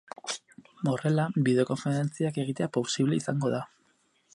Horrela, bideokonferentziak egitea posible izango da.